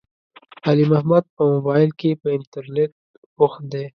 علي محمد په مبائل کې، په انترنيت بوخت دی.